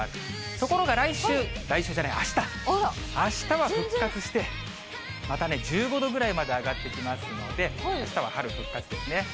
ところが来週、来週じゃないあした、あしたは復活して、またね、１５度ぐらいまで上がってきますので、あしたは春復活ですね。